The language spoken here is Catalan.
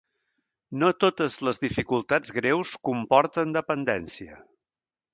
No totes les dificultats greus comporten dependència.